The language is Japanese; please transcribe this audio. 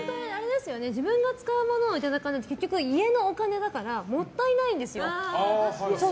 自分が使うものをいただくとしても結局、家のお金だからもったいないんですよ。